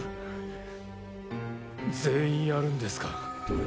全員やるんですか？